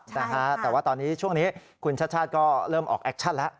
แต่ว่าตอนนี้ช่วงนี้คุณชาติชาติก็เริ่มออกแอคชั่นแล้ว